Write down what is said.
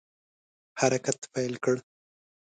حرکت پیل کړ.